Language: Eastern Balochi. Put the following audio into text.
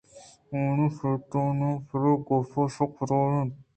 آہانی شیطان پرے گپّءَ سکّ خراب اَت